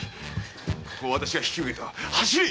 ここは私が引き受けた。走れ！